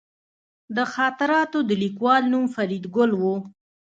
د خاطراتو د لیکوال نوم فریدګل و